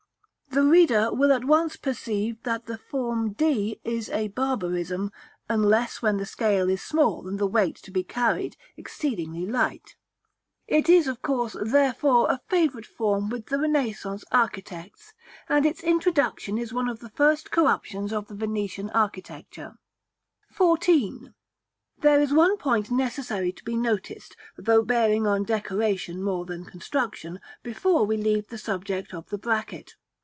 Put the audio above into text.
The reader will at once perceive that the form d is a barbarism (unless when the scale is small and the weight to be carried exceedingly light): it is of course, therefore, a favorite form with the Renaissance architects; and its introduction is one of the first corruptions of the Venetian architecture. § XIV. There is one point necessary to be noticed, though bearing on decoration more than construction, before we leave the subject of the bracket.